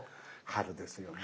春ですね。